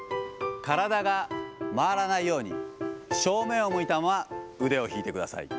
体が回らないように、正面を向いたまま腕を引いてください。